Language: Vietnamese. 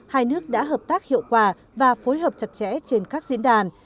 hai nước đã hợp tác hiệu quả và phối hợp chặt chẽ trên các diễn đàn